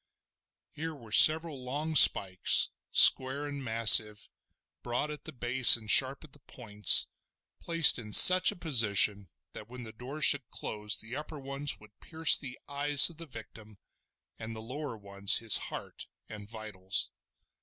Here were several long spikes, square and massive, broad at the base and sharp at the points, placed in such a position that when the door should close the upper ones would pierce the eyes of the victim, and the lower ones his heart and vitals.